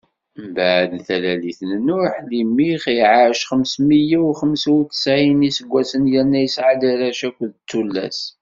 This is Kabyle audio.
Mbeɛd talalit n Nuḥ, Limix iɛac xems meyya u xemsa u ttsɛin n iseggasen, yerna yesɛa-d arrac akked tullas.